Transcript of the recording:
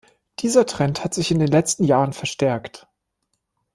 Dieser Trend hat sich in den letzten Jahren verstärkt.